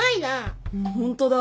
ホントだ。